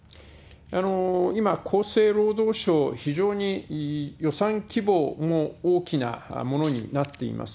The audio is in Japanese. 今、厚生労働省、非常に予算規模も大きなものになっています。